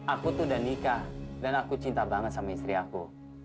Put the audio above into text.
aku tuh udah nikah dan aku cinta banget sama istri aku